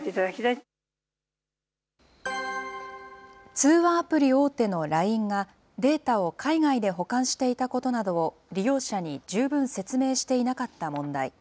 通話アプリ大手のＬＩＮＥが、データを海外で保管していたことなどを利用者に十分説明していなかった問題。